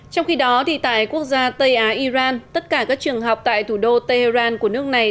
trong khi đó tại quốc gia tây á iran tất cả các trường học tại thủ đô tehran của nước này